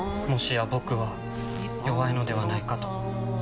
もしや僕は弱いのではないかと。